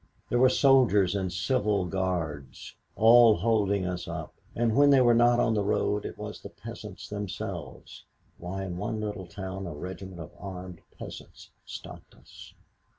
There were soldiers and civil guards all holding us up, and when they were not on the road it was the peasants themselves. Why, in one little town a regiment of armed peasants stopped us.